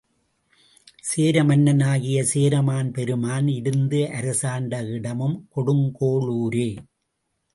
சேர மன்னனாகிய சேரமான் பெருமான் இருந்து அரசாண்ட இடமும் கொடுங்கோளூரே.